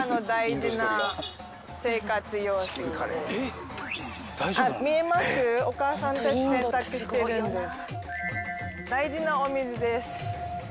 大事なお水です。